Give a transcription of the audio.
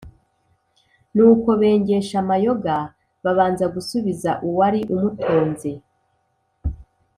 nuko bengesha amayoga, babanza gusubiza uwari umutunze